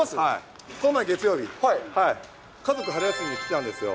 この前、月曜日、家族春休みで来たんですよ。